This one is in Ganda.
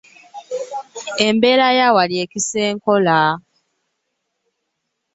Ebbaala ya wali ekeesa ekola.